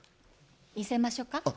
見せましょか？